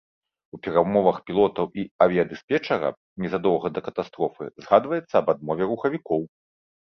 У перамовах пілотаў і авіядыспетчара незадоўга да катастрофы згадваецца аб адмове рухавікоў.